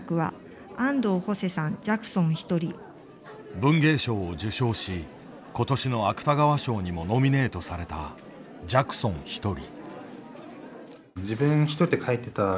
文藝賞を受賞し今年の芥川賞にもノミネートされた「ジャクソンひとり」。